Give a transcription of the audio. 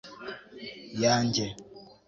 yanjye